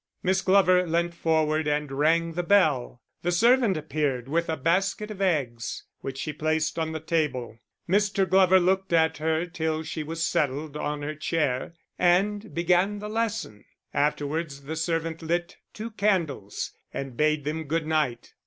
Miss Glover leant forward and rang the bell the servant appeared with a basket of eggs, which she placed on the table. Mr. Glover looked at her till she was settled on her chair, and began the lesson. Afterwards the servant lit two candles and bade them good night.